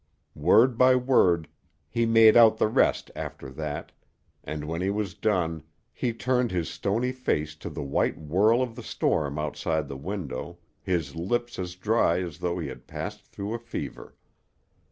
Word by word he made out the rest after that, and when he was done he turned his stony face to the white whirl of the storm outside the window, his lips as dry as though he had passed through a fever.